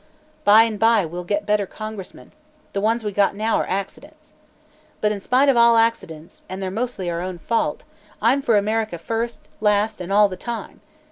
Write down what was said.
By and by we'll get better congressmen; the ones we got now are accidents. But in spite of all accidents and they're mostly our own fault I'm for America first, last and all the time.